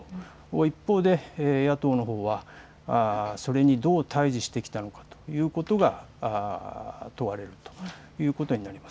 一方で野党のほうはそれにどう対じしてきたのかということが問われるということになります。